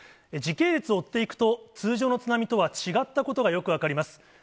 時系列を追っていくと、通常の津波とは違ったことがよく分かります。